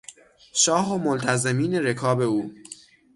شاه و ملتزمین رکاب او